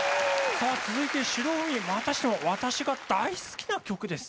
さあ続いて白組またしても私が大好きな曲です。